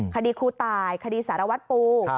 ขดีครูตายขดีสาราวัสด์ปู